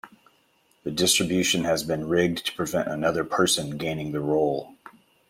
The distribution has been rigged to prevent another person gaining the role.